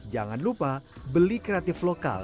jangan lupa beli kreatif lokal